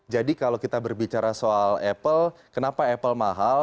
jadi kalau kita berbicara soal apple kenapa apple mahal